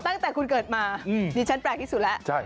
ตั้งแต่คุณเกิดมาดิฉันแปลกที่สุดแล้ว